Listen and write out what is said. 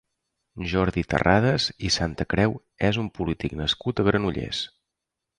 Jordi Terrades i Santacreu és un polític nascut a Granollers.